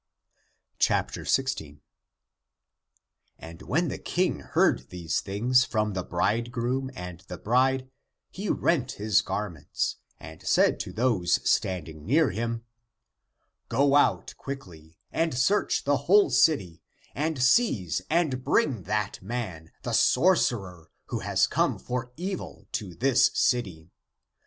16. And when the King heard these things from the bridegroom and the bride, he rent his gar mentSj and said to those standing near him, " Go out quickly, and search the whole city, and seize and bring that man, the sorcerer, who has come for evil into this city.